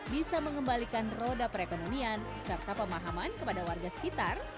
bisa mengembalikan roda perekonomian serta pemahaman kepada warga sekitar